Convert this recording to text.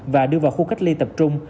và đưa vào khu cách ly tập trung